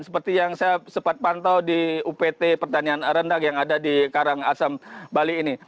seperti yang saya sempat pantau di upt pertanian rendang yang ada di karangasem bali ini